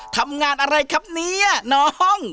ทำงานอะไรครับเนี่ยน้อง